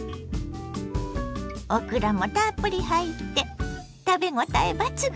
オクラもたっぷり入って食べごたえ抜群！